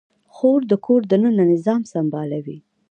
خور د کور دننه نظام سمبالوي.